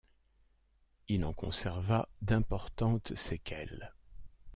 Il en conserva d'importantes séquelles.